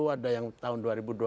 ada yang tahun dua ribu dua puluh